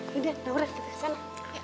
yaudah naura kita kesana